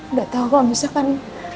udah tau kalau misalkan